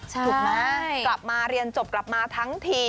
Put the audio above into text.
ถูกไหมกลับมาเรียนจบกลับมาทั้งที